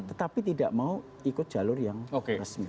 tetapi tidak mau ikut jalur yang resmi